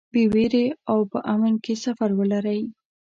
بې وېرې او په امن کې سفر ولرئ.